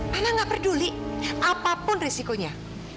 karena nggak peduli apapun risikonya